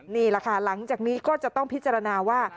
นี่แหละค่ะหลังจากนี้ก็จะต้องพิจารณาว่า